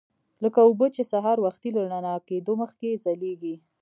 لکه اوبه چې سهار وختي له رڼا کېدو مخکې ځلیږي.